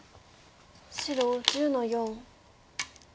白１０の四。